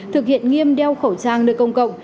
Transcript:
thực hiện nghiêm đeo khẩu trang nơi công cộng